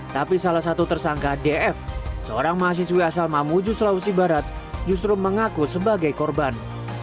tapi salah satu tersangka df seorang mahasiswi asal mamuju sulawesi barat justru mengaku sebagai korban